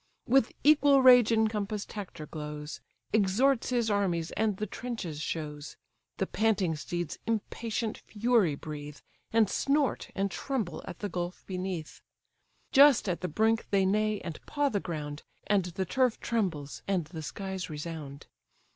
With equal rage encompass'd Hector glows; Exhorts his armies, and the trenches shows. The panting steeds impatient fury breathe, And snort and tremble at the gulf beneath; Just at the brink they neigh, and paw the ground, And the turf trembles, and the skies resound.